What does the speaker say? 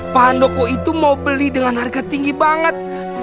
pandoko itu mau beli dengan harga tinggi banget